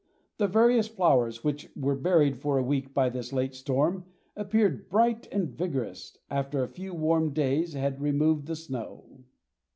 The various flowers which were buried for a week by this late storm appeared bright and vigorous after a few warm days had removed the snow.